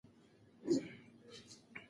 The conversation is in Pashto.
منډېلا کلونه په زندان کې تېر کړي وو.